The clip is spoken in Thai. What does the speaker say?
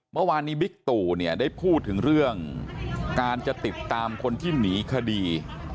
เมื่อวานนี้บิ๊กตู่เนี่ยได้พูดถึงเรื่องการจะติดตามคนที่หนีคดี